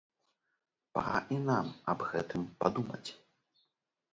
Пара і нам аб гэтым падумаць!